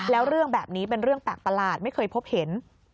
แล้วเรื่องแบบนี้เป็นเรื่องแปลกประหลาดไม่เคยพบเห็น